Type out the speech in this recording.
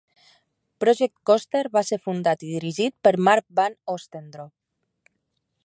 Project Coster va ser fundat i dirigit per Marc van Oostendorp.